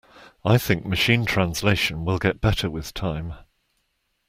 I think Machine Translation will get better with time.